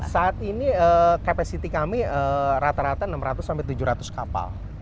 saat ini capacity kami rata rata enam ratus sampai tujuh ratus kapal